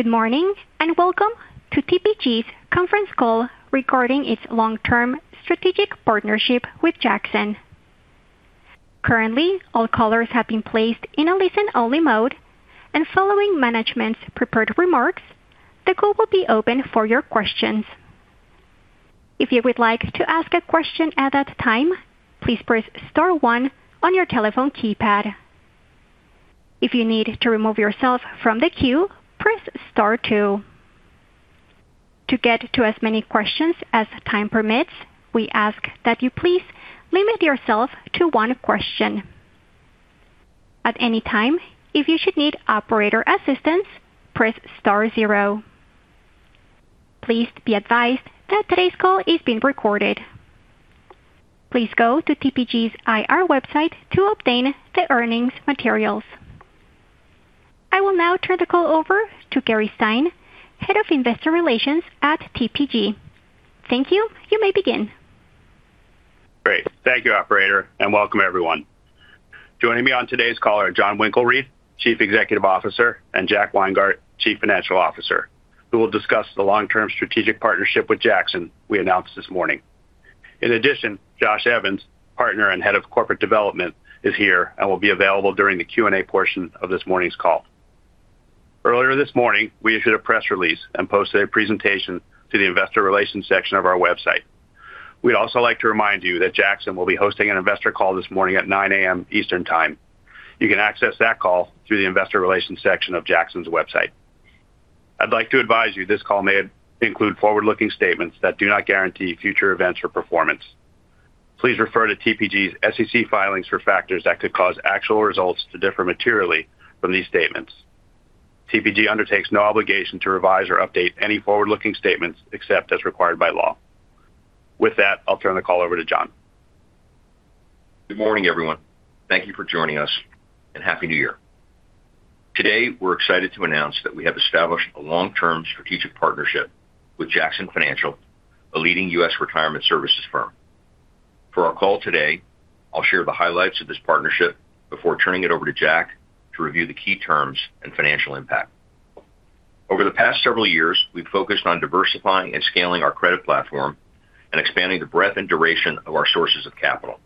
Good morning and welcome to TPG's conference call regarding its long-term strategic partnership with Jackson. Currently, all callers have been placed in a listen-only mode, and following management's prepared remarks, the call will be open for your questions. If you would like to ask a question at that time, please press star one on your telephone keypad. If you need to remove yourself from the queue, press star two. To get to as many questions as time permits, we ask that you please limit yourself to one question. At any time, if you should need operator assistance, press star zero. Please be advised that today's call is being recorded. Please go to TPG's IR website to obtain the earnings materials. I will now turn the call over to Gary Stein, Head of Investor Relations at TPG. Thank you. You may begin. Great. Thank you, Operator, and welcome, everyone. Joining me on today's call are Jon Winkelried, Chief Executive Officer, and Jack Weingart, Chief Financial Officer, who will discuss the long-term strategic partnership with Jackson we announced this morning. In addition, Josh Evans, Partner and Head of Corporate Development, is here and will be available during the Q&A portion of this morning's call. Earlier this morning, we issued a press release and posted a presentation to the Investor Relations section of our website. We'd also like to remind you that Jackson will be hosting an investor call this morning at 9:00 A.M. Eastern Time. You can access that call through the Investor Relations section of Jackson's website. I'd like to advise you this call may include forward-looking statements that do not guarantee future events or performance. Please refer to TPG's SEC filings for factors that could cause actual results to differ materially from these statements. TPG undertakes no obligation to revise or update any forward-looking statements except as required by law. With that, I'll turn the call over to Jon. Good morning, everyone. Thank you for joining us and happy New Year. Today, we're excited to announce that we have established a long-term strategic partnership with Jackson Financial, a leading U.S. retirement services firm. For our call today, I'll share the highlights of this partnership before turning it over to Jack to review the key terms and financial impact. Over the past several years, we've focused on diversifying and scaling our credit platform and expanding the breadth and duration of our sources of capital.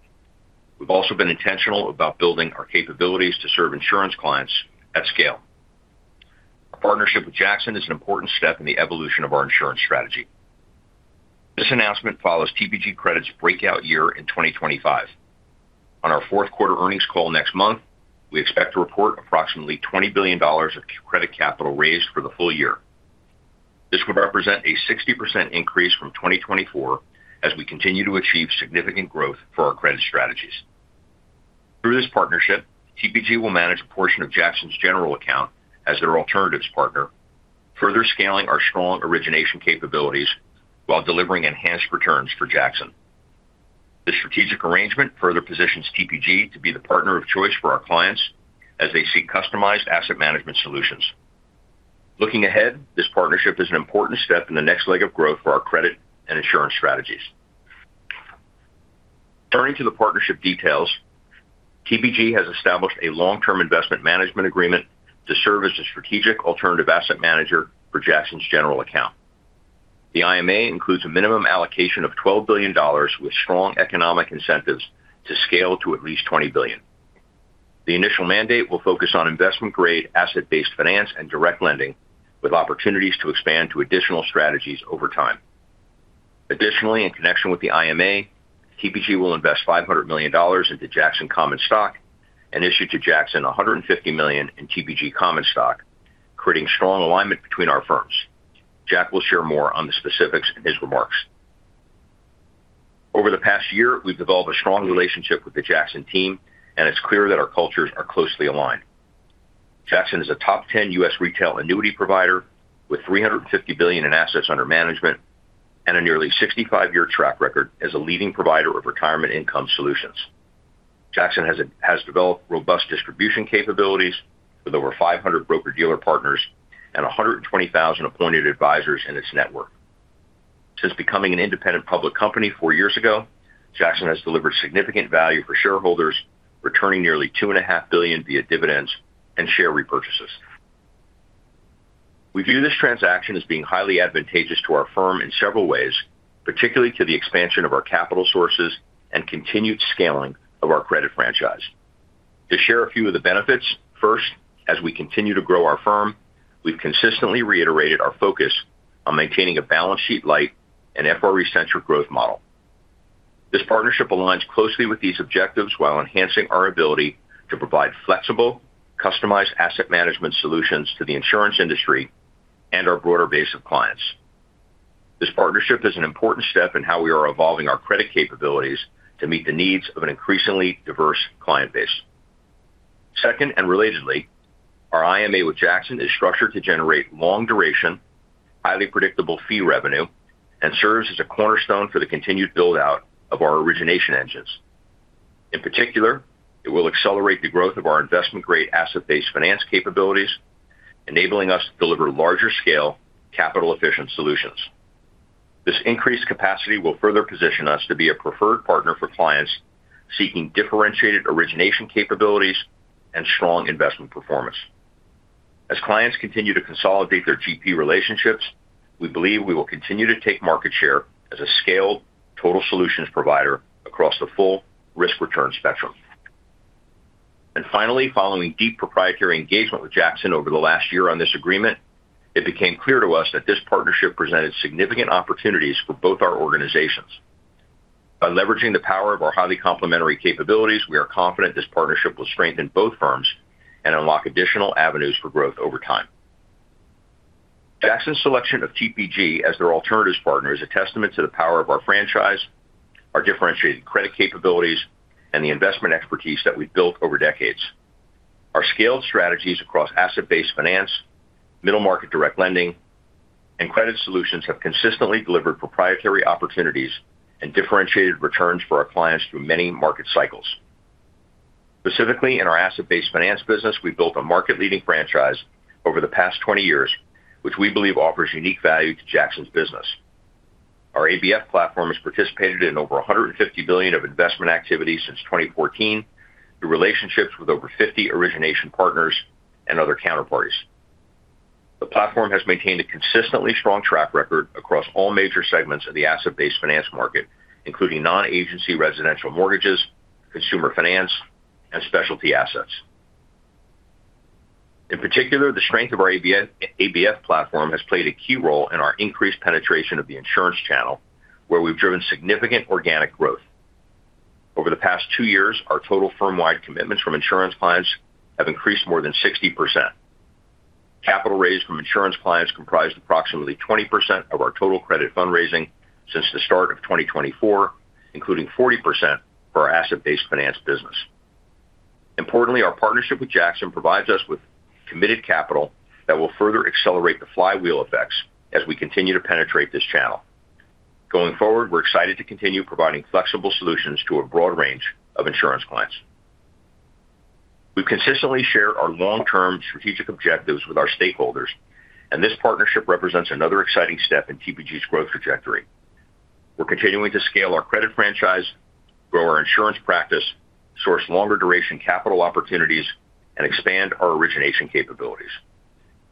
We've also been intentional about building our capabilities to serve insurance clients at scale. Our partnership with Jackson is an important step in the evolution of our insurance strategy. This announcement follows TPG Credit's breakout year in 2025. On our fourth quarter earnings call next month, we expect to report approximately $20 billion of credit capital raised for the full year. This would represent a 60% increase from 2024 as we continue to achieve significant growth for our credit strategies. Through this partnership, TPG will manage a portion of Jackson's general account as their alternatives partner, further scaling our strong origination capabilities while delivering enhanced returns for Jackson. This strategic arrangement further positions TPG to be the partner of choice for our clients as they seek customized asset management solutions. Looking ahead, this partnership is an important step in the next leg of growth for our credit and insurance strategies. Turning to the partnership details, TPG has established a long-term investment management agreement to serve as a strategic alternative asset manager for Jackson's general account. The IMA includes a minimum allocation of $12 billion with strong economic incentives to scale to at least $20 billion. The initial mandate will focus on investment-grade asset-based finance and direct lending, with opportunities to expand to additional strategies over time. Additionally, in connection with the IMA, TPG will invest $500 million into Jackson common stock and issue to Jackson $150 million in TPG common stock, creating strong alignment between our firms. Jack will share more on the specifics in his remarks. Over the past year, we've developed a strong relationship with the Jackson team, and it's clear that our cultures are closely aligned. Jackson is a top-10 U.S. retail annuity provider with $350 billion in assets under management and a nearly 65-year track record as a leading provider of retirement income solutions. Jackson has developed robust distribution capabilities with over 500 broker-dealer partners and 120,000 appointed advisors in its network. Since becoming an independent public company four years ago, Jackson has delivered significant value for shareholders, returning nearly $2.5 billion via dividends and share repurchases. We view this transaction as being highly advantageous to our firm in several ways, particularly to the expansion of our capital sources and continued scaling of our credit franchise. To share a few of the benefits, first, as we continue to grow our firm, we've consistently reiterated our focus on maintaining a balance sheet light and FRE-centric growth model. This partnership aligns closely with these objectives while enhancing our ability to provide flexible, customized asset management solutions to the insurance industry and our broader base of clients. This partnership is an important step in how we are evolving our credit capabilities to meet the needs of an increasingly diverse client base. Second, and relatedly, our IMA with Jackson is structured to generate long-duration, highly predictable fee revenue and serves as a cornerstone for the continued build-out of our origination engines. In particular, it will accelerate the growth of our investment-grade asset-based finance capabilities, enabling us to deliver larger-scale, capital-efficient solutions. This increased capacity will further position us to be a preferred partner for clients seeking differentiated origination capabilities and strong investment performance. As clients continue to consolidate their GP relationships, we believe we will continue to take market share as a scaled total solutions provider across the full risk-return spectrum. And finally, following deep proprietary engagement with Jackson over the last year on this agreement, it became clear to us that this partnership presented significant opportunities for both our organizations. By leveraging the power of our highly complementary capabilities, we are confident this partnership will strengthen both firms and unlock additional avenues for growth over time. Jackson's selection of TPG as their alternative partner is a testament to the power of our franchise, our differentiated credit capabilities, and the investment expertise that we've built over decades. Our scaled strategies across asset-based finance, middle market direct lending, and credit solutions have consistently delivered proprietary opportunities and differentiated returns for our clients through many market cycles. Specifically, in our asset-based finance business, we've built a market-leading franchise over the past 20 years, which we believe offers unique value to Jackson's business. Our ABF platform has participated in over $150 billion of investment activity since 2014 through relationships with over 50 origination partners and other counterparties. The platform has maintained a consistently strong track record across all major segments of the asset-based finance market, including non-agency residential mortgages, consumer finance, and specialty assets. In particular, the strength of our ABF platform has played a key role in our increased penetration of the insurance channel, where we've driven significant organic growth. Over the past two years, our total firm-wide commitments from insurance clients have increased more than 60%. Capital raised from insurance clients comprised approximately 20% of our total credit fundraising since the start of 2024, including 40% for our asset-based finance business. Importantly, our partnership with Jackson provides us with committed capital that will further accelerate the flywheel effects as we continue to penetrate this channel. Going forward, we're excited to continue providing flexible solutions to a broad range of insurance clients. We've consistently shared our long-term strategic objectives with our stakeholders, and this partnership represents another exciting step in TPG's growth trajectory. We're continuing to scale our credit franchise, grow our insurance practice, source longer-duration capital opportunities, and expand our origination capabilities.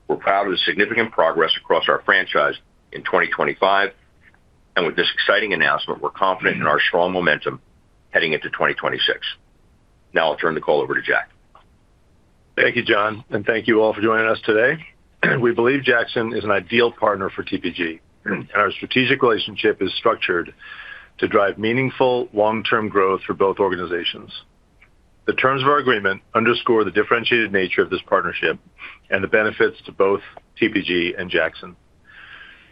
We're proud of the significant progress across our franchise in 2025, and with this exciting announcement, we're confident in our strong momentum heading into 2026. Now, I'll turn the call over to Jack. Thank you, Jon, and thank you all for joining us today. We believe Jackson is an ideal partner for TPG, and our strategic relationship is structured to drive meaningful long-term growth for both organizations. The terms of our agreement underscore the differentiated nature of this partnership and the benefits to both TPG and Jackson.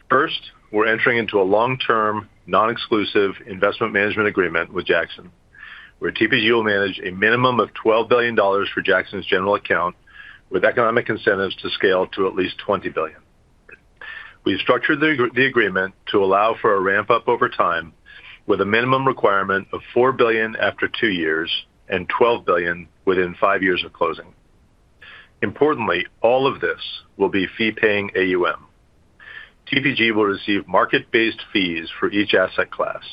First, we're entering into a long-term, non-exclusive investment management agreement with Jackson, where TPG will manage a minimum of $12 billion for Jackson's general account, with economic incentives to scale to at least $20 billion. We've structured the agreement to allow for a ramp-up over time with a minimum requirement of $4 billion after two years and $12 billion within five years of closing. Importantly, all of this will be fee-paying AUM. TPG will receive market-based fees for each asset class,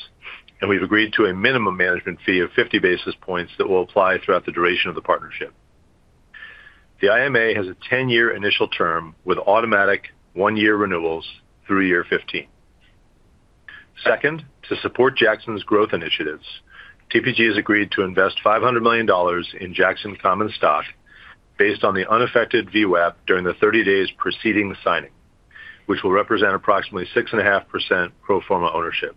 and we've agreed to a minimum management fee of 50 basis points that will apply throughout the duration of the partnership. The IMA has a 10-year initial term with automatic one-year renewals through year 15. Second, to support Jackson's growth initiatives, TPG has agreed to invest $500 million in Jackson common stock based on the unaffected VWAP during the 30 days preceding signing, which will represent approximately 6.5% pro forma ownership.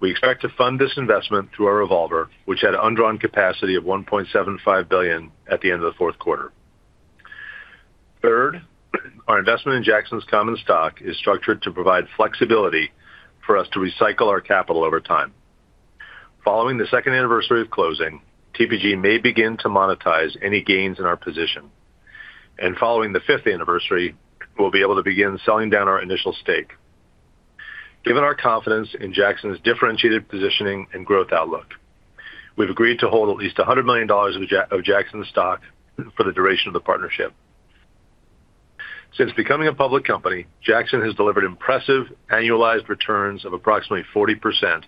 We expect to fund this investment through our revolver, which had an undrawn capacity of $1.75 billion at the end of the fourth quarter. Third, our investment in Jackson's common stock is structured to provide flexibility for us to recycle our capital over time. Following the second anniversary of closing, TPG may begin to monetize any gains in our position. Following the fifth anniversary, we'll be able to begin selling down our initial stake. Given our confidence in Jackson's differentiated positioning and growth outlook, we've agreed to hold at least $100 million of Jackson's stock for the duration of the partnership. Since becoming a public company, Jackson has delivered impressive annualized returns of approximately 40%,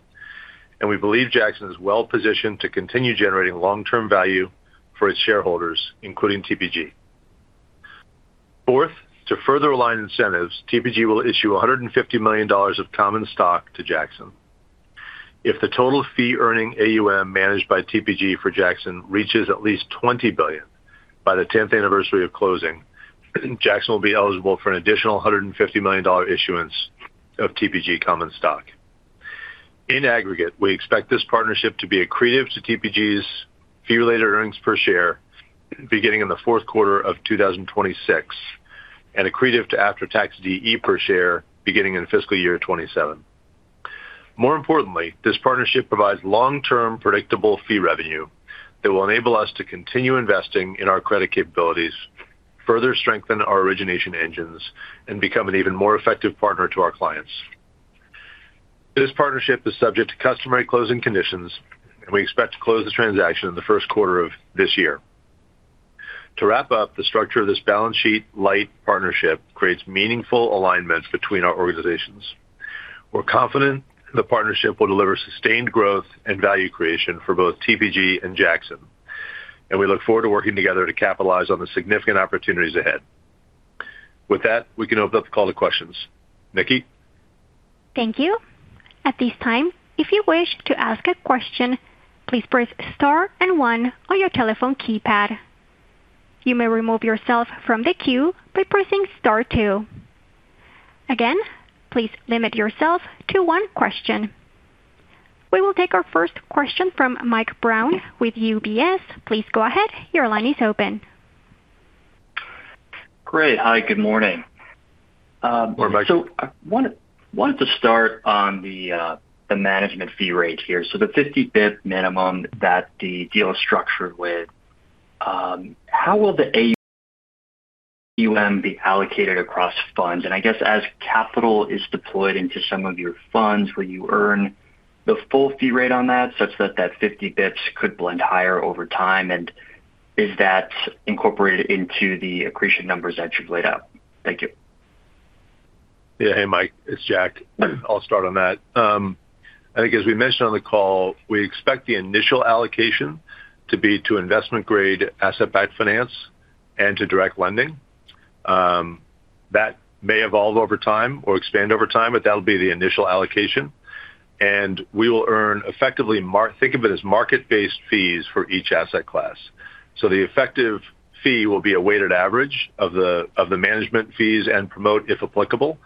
and we believe Jackson is well-positioned to continue generating long-term value for its shareholders, including TPG. Fourth, to further align incentives, TPG will issue $150 million of common stock to Jackson. If the total fee-earning AUM managed by TPG for Jackson reaches at least $20 billion by the 10th anniversary of closing, Jackson will be eligible for an additional $150 million issuance of TPG common stock. In aggregate, we expect this partnership to be accretive to TPG's fee-related earnings per share beginning in the fourth quarter of 2026 and accretive to after-tax DE per share beginning in fiscal year 2027. More importantly, this partnership provides long-term predictable fee revenue that will enable us to continue investing in our credit capabilities, further strengthen our origination engines, and become an even more effective partner to our clients. This partnership is subject to customary closing conditions, and we expect to close the transaction in the first quarter of this year. To wrap up, the structure of this balance sheet light partnership creates meaningful alignments between our organizations. We're confident the partnership will deliver sustained growth and value creation for both TPG and Jackson, and we look forward to working together to capitalize on the significant opportunities ahead. With that, we can open up the call to questions. Nikki. Thank you. At this time, if you wish to ask a question, please press star and one on your telephone keypad. You may remove yourself from the queue by pressing star two. Again, please limit yourself to one question. We will take our first question from Mike Brown with UBS. Please go ahead. Your line is open. Great. Hi, good morning. More, Mike. So I wanted to start on the management fee rate here. So the 50 basis points minimum that the deal is structured with, how will the AUM be allocated across funds? And I guess as capital is deployed into some of your funds, will you earn the full fee rate on that such that that 50 basis points could blend higher over time? And is that incorporated into the accretion numbers that you've laid out? Thank you. Yeah. Hey, Mike. It's Jack. I'll start on that. I think, as we mentioned on the call, we expect the initial allocation to be to investment-grade asset-based finance and to direct lending. That may evolve over time or expand over time, but that'll be the initial allocation. And we will earn effectively. Think of it as market-based fees for each asset class. So the effective fee will be a weighted average of the management fees and promote, if applicable,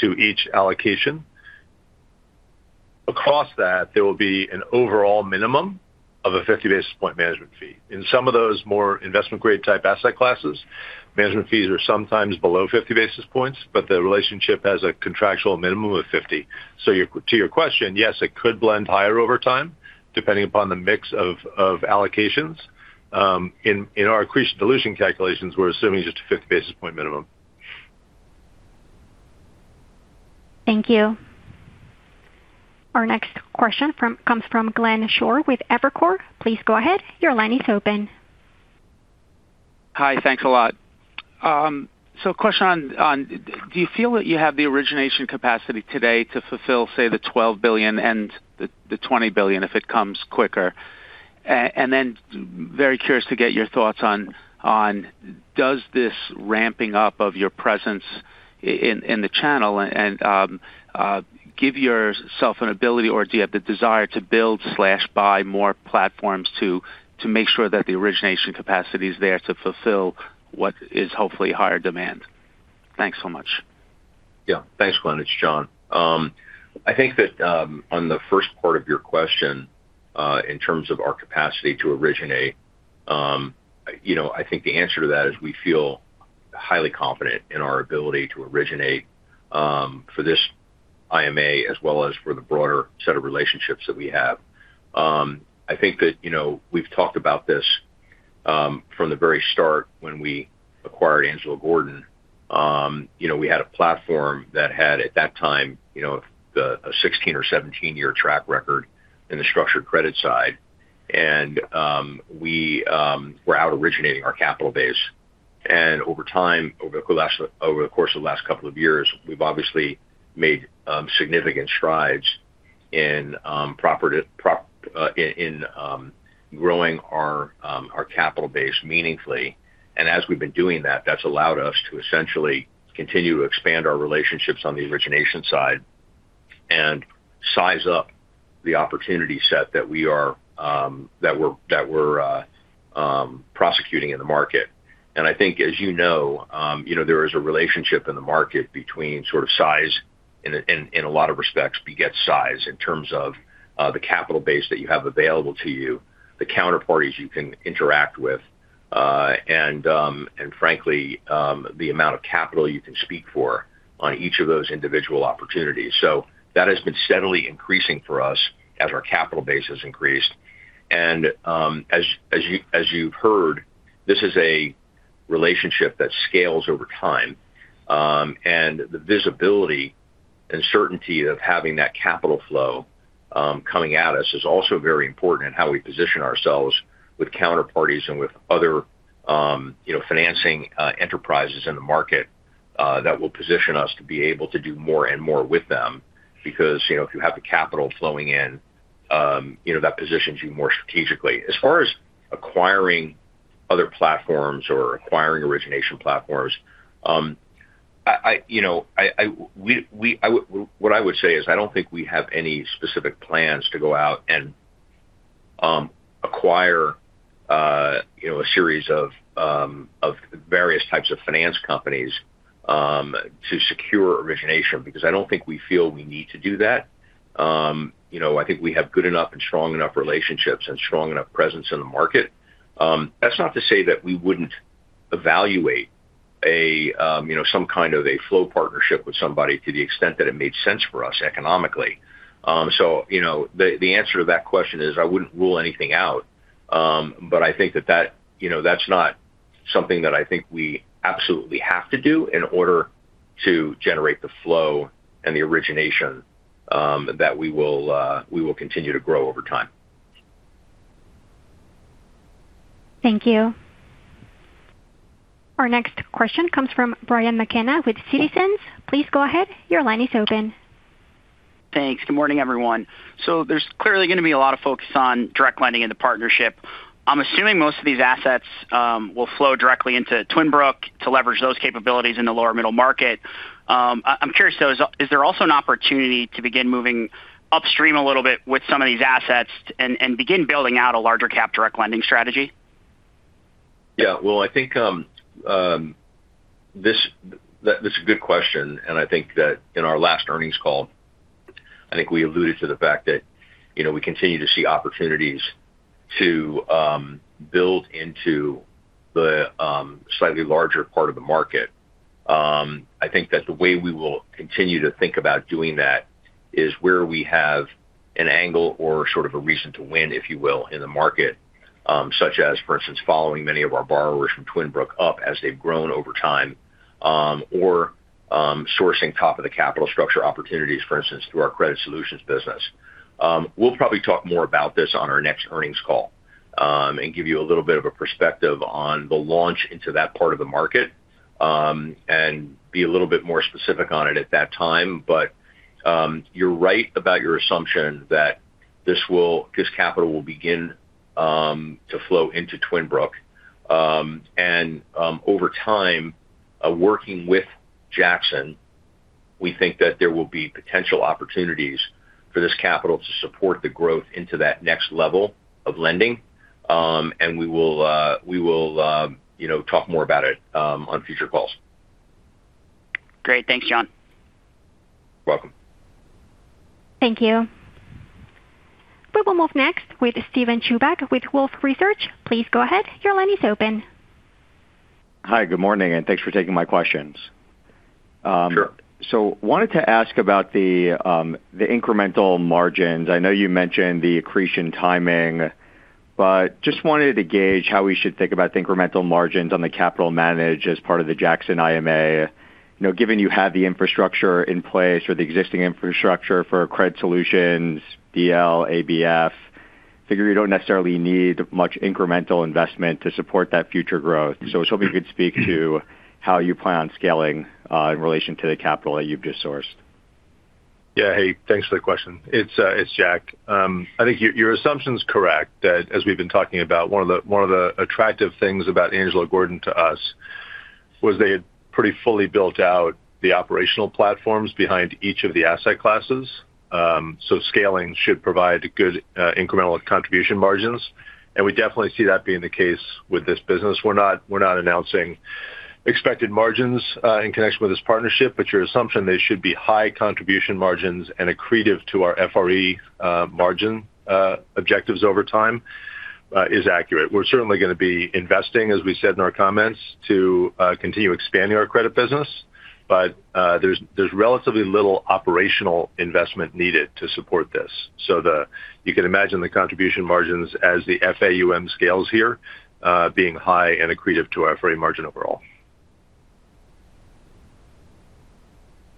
to each allocation. Across that, there will be an overall minimum of a 50 basis point management fee. In some of those more investment-grade type asset classes, management fees are sometimes below 50 basis points, but the relationship has a contractual minimum of 50. So to your question, yes, it could blend higher over time depending upon the mix of allocations. In our accretion dilution calculations, we're assuming just a 50 basis point minimum. Thank you. Our next question comes from Glenn Schorr with Evercore. Please go ahead. Your line is open. Hi. Thanks a lot. So, question on: do you feel that you have the origination capacity today to fulfill, say, the $12 billion and the $20 billion if it comes quicker? And then very curious to get your thoughts on, does this ramping up of your presence in the channel give yourself an ability, or do you have the desire to build or buy more platforms to make sure that the origination capacity is there to fulfill what is hopefully higher demand? Thanks so much. Yeah. Thanks, Glenn. It's Jon. I think that on the first part of your question, in terms of our capacity to originate, I think the answer to that is we feel highly confident in our ability to originate for this IMA as well as for the broader set of relationships that we have. I think that we've talked about this from the very start when we acquired Angelo Gordon. We had a platform that had, at that time, a 16 or 17-year track record in the structured credit side, and we were out-originating our capital base. And over time, over the course of the last couple of years, we've obviously made significant strides in growing our capital base meaningfully. And as we've been doing that, that's allowed us to essentially continue to expand our relationships on the origination side and size up the opportunity set that we are prosecuting in the market. And I think, as you know, there is a relationship in the market between sort of size and, in a lot of respects, begets size in terms of the capital base that you have available to you, the counterparties you can interact with, and, frankly, the amount of capital you can speak for on each of those individual opportunities. So that has been steadily increasing for us as our capital base has increased. And as you've heard, this is a relationship that scales over time. The visibility and certainty of having that capital flow coming at us is also very important in how we position ourselves with counterparties and with other financing enterprises in the market that will position us to be able to do more and more with them because if you have the capital flowing in, that positions you more strategically. As far as acquiring other platforms or acquiring origination platforms, what I would say is I don't think we have any specific plans to go out and acquire a series of various types of finance companies to secure origination because I don't think we feel we need to do that. I think we have good enough and strong enough relationships and strong enough presence in the market. That's not to say that we wouldn't evaluate some kind of a flow partnership with somebody to the extent that it made sense for us economically. So the answer to that question is I wouldn't rule anything out, but I think that that's not something that I think we absolutely have to do in order to generate the flow and the origination that we will continue to grow over time. Thank you. Our next question comes from Brian McKenna with Citizens. Please go ahead. Your line is open. Thanks. Good morning, everyone. So there's clearly going to be a lot of focus on direct lending in the partnership. I'm assuming most of these assets will flow directly into Twin Brook to leverage those capabilities in the lower-middle market. I'm curious, though, is there also an opportunity to begin moving upstream a little bit with some of these assets and begin building out a larger-cap direct lending strategy? Yeah. Well, I think that's a good question. And I think that in our last earnings call, I think we alluded to the fact that we continue to see opportunities to build into the slightly larger part of the market. I think that the way we will continue to think about doing that is where we have an angle or sort of a reason to win, if you will, in the market, such as, for instance, following many of our borrowers from Twin Brook up as they've grown over time or sourcing top-of-the-capital structure opportunities, for instance, through our credit solutions business. We'll probably talk more about this on our next earnings call and give you a little bit of a perspective on the launch into that part of the market and be a little bit more specific on it at that time. But you're right about your assumption that this capital will begin to flow into Twin Brook. And over time, working with Jackson, we think that there will be potential opportunities for this capital to support the growth into that next level of lending. And we will talk more about it on future calls. Great. Thanks, Jon. You're welcome. Thank you. We will move next with Steven Chubak with Wolfe Research. Please go ahead. Your line is open. Hi. Good morning and thanks for taking my questions. Sure. So wanted to ask about the incremental margins. I know you mentioned the accretion timing, but just wanted to gauge how we should think about the incremental margins on the capital managed as part of the Jackson IMA, given you have the infrastructure in place or the existing infrastructure for credit solutions, DL, ABF, figure you don't necessarily need much incremental investment to support that future growth. So I was hoping you could speak to how you plan on scaling in relation to the capital that you've just sourced. Yeah. Hey, thanks for the question. It's Jack. I think your assumption's correct that, as we've been talking about, one of the attractive things about Angelo Gordon to us was they had pretty fully built out the operational platforms behind each of the asset classes. So scaling should provide good incremental contribution margins. And we definitely see that being the case with this business. We're not announcing expected margins in connection with this partnership, but your assumption they should be high contribution margins and accretive to our FRE margin objectives over time is accurate. We're certainly going to be investing, as we said in our comments, to continue expanding our credit business, but there's relatively little operational investment needed to support this. So you can imagine the contribution margins as the FAUM scales here being high and accretive to our FRE margin overall.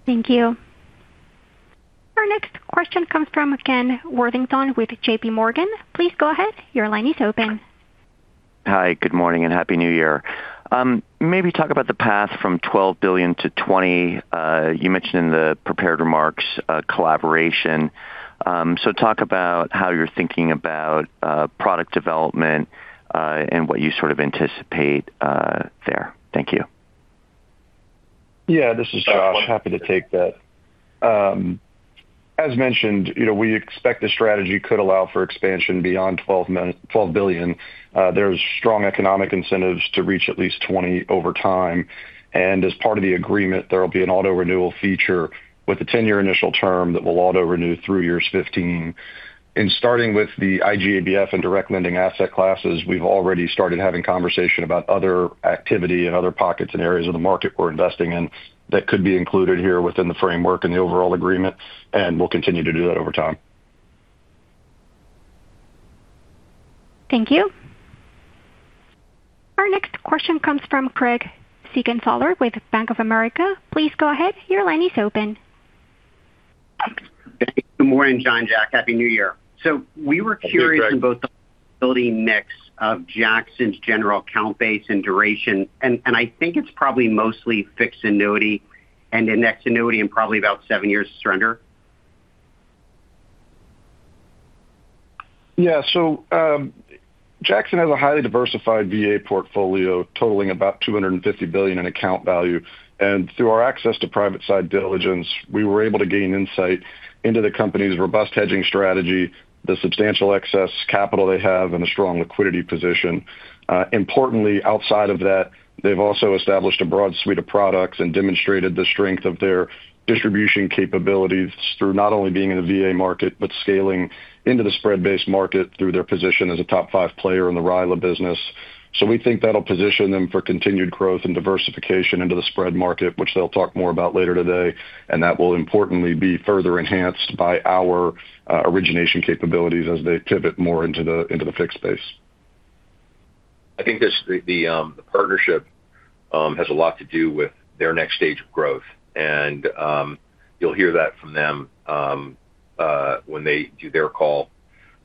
Thank you. Our next question comes from Ken Worthington with JP Morgan. Please go ahead. Your line is open. Hi. Good morning and happy New Year. Maybe talk about the path from $12 billion to $20 billion. You mentioned in the prepared remarks collaboration. So talk about how you're thinking about product development and what you sort of anticipate there. Thank you. Yeah. This is Josh. Happy to take that. As mentioned, we expect the strategy could allow for expansion beyond $12 billion. There's strong economic incentives to reach at least $20 billion over time. And as part of the agreement, there'll be an auto-renewal feature with a 10-year initial term that will auto-renew through year 15. And starting with the IGABF and direct lending asset classes, we've already started having conversation about other activity and other pockets and areas of the market we're investing in that could be included here within the framework and the overall agreement. And we'll continue to do that over time. Thank you. Our next question comes from Craig Siegenthaler with Bank of America. Please go ahead. Your line is open. Good morning, Jon, Jack. Happy New Year. So we were curious in both the flexibility mix of Jackson's general account base and duration. And I think it's probably mostly fixed annuity and index annuity and probably about seven years surrender. Yeah. So Jackson has a highly diversified VA portfolio totaling about $250 billion in account value. And through our access to private-side diligence, we were able to gain insight into the company's robust hedging strategy, the substantial excess capital they have, and a strong liquidity position. Importantly, outside of that, they've also established a broad suite of products and demonstrated the strength of their distribution capabilities through not only being in the VA market but scaling into the spread-based market through their position as a top five player in the RILA business. We think that'll position them for continued growth and diversification into the spread market, which they'll talk more about later today. That will importantly be further enhanced by our origination capabilities as they pivot more into the fixed base. I think the partnership has a lot to do with their next stage of growth. And you'll hear that from them when they do their call.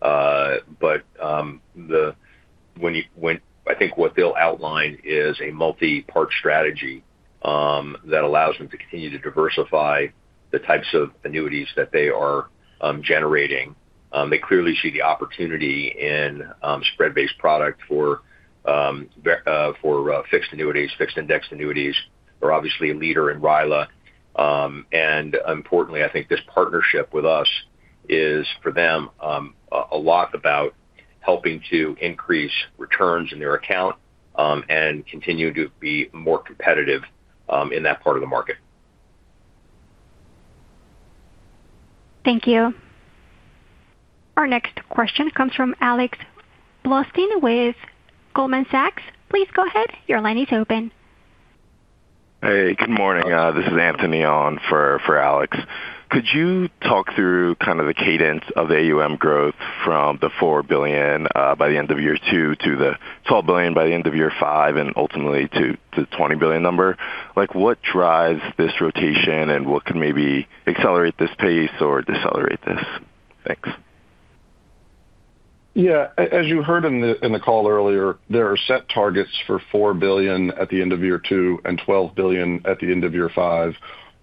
But I think what they'll outline is a multi-part strategy that allows them to continue to diversify the types of annuities that they are generating. They clearly see the opportunity in spread-based product for fixed annuities, fixed index annuities. They're obviously a leader in RILA. And importantly, I think this partnership with us is, for them, a lot about helping to increase returns in their account and continue to be more competitive in that part of the market. Thank you. Our next question comes from Alex Blostein with Goldman Sachs. Please go ahead. Your line is open. Hey. Good morning. This is Anthony on for Alex. Could you talk through kind of the cadence of the AUM growth from the $4 billion by the end of year two to the $12 billion by the end of year five and ultimately to the $20 billion number? What drives this rotation, and what can maybe accelerate this pace or decelerate this? Thanks. Yeah. As you heard in the call earlier, there are set targets for $4 billion at the end of year two and $12 billion at the end of year five.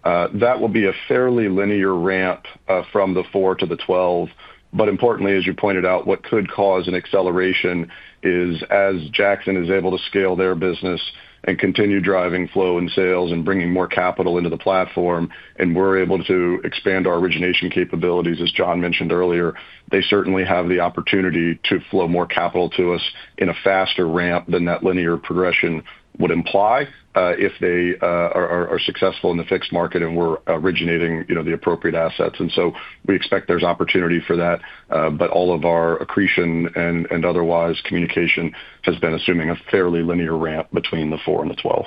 That will be a fairly linear ramp from the four to the twelve. But importantly, as you pointed out, what could cause an acceleration is, as Jackson is able to scale their business and continue driving flow and sales and bringing more capital into the platform and we're able to expand our origination capabilities, as Jon mentioned earlier, they certainly have the opportunity to flow more capital to us in a faster ramp than that linear progression would imply if they are successful in the fixed market and we're originating the appropriate assets. And so we expect there's opportunity for that. But all of our accretion and otherwise communication has been assuming a fairly linear ramp between the four and the twelve.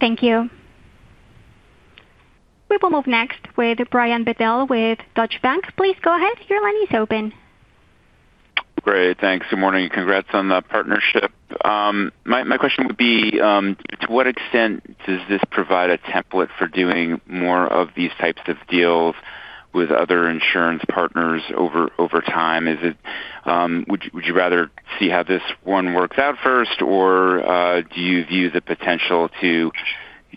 Thank you. We will move next with Brian Bedell with Deutsche Bank. Please go ahead. Your line is open. Great. Thanks. Good morning. Congrats on the partnership. My question would be, to what extent does this provide a template for doing more of these types of deals with other insurance partners over time? Would you rather see how this one works out first, or do you view the potential to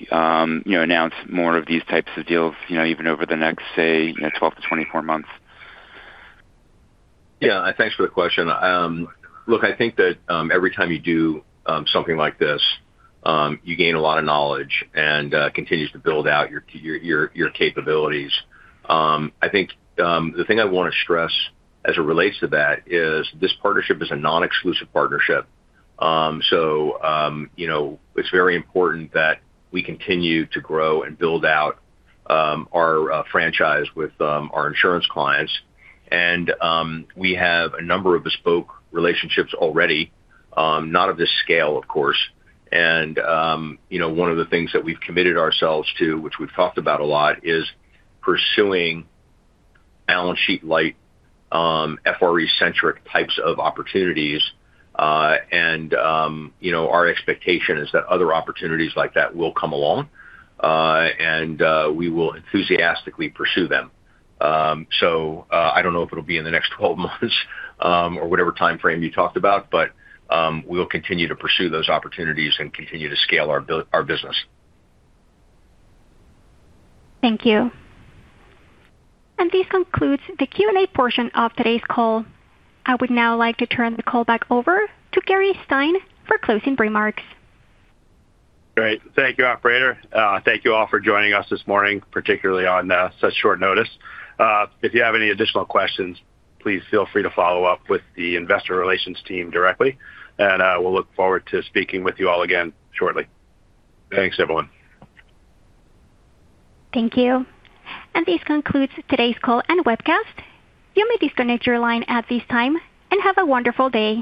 announce more of these types of deals even over the next, say, 12 to 24 months? Yeah. Thanks for the question. Look, I think that every time you do something like this, you gain a lot of knowledge and continue to build out your capabilities. I think the thing I want to stress as it relates to that is this partnership is a non-exclusive partnership. So it's very important that we continue to grow and build out our franchise with our insurance clients. And we have a number of bespoke relationships already, not of this scale, of course. And one of the things that we've committed ourselves to, which we've talked about a lot, is pursuing balance sheet-light FRE-centric types of opportunities. And our expectation is that other opportunities like that will come along, and we will enthusiastically pursue them. I don't know if it'll be in the next 12 months or whatever timeframe you talked about, but we'll continue to pursue those opportunities and continue to scale our business. Thank you, and this concludes the Q&A portion of today's call. I would now like to turn the call back over to Gary Stein for closing remarks. Great. Thank you, operator. Thank you all for joining us this morning, particularly on such short notice. If you have any additional questions, please feel free to follow up with the investor relations team directly, and we'll look forward to speaking with you all again shortly. Thanks, everyone. Thank you. And this concludes today's call and webcast. You may disconnect your line at this time and have a wonderful day.